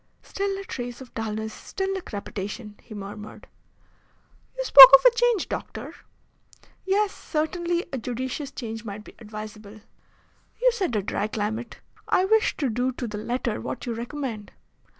"Still a trace of dulness still a slight crepitation," he murmured. "You spoke of a change, doctor." "Yes, certainly a judicious change might be advisable." "You said a dry climate. I wish to do to the letter what you recommend."